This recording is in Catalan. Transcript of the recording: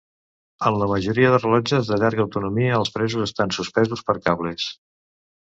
En la majoria dels rellotges de llarga autonomia els pesos estan suspesos per cables.